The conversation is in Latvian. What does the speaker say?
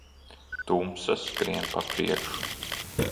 Tumsa skrien pa priekšu.